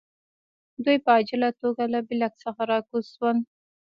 دوی په عاجله توګه له بلاک څخه راکوز شول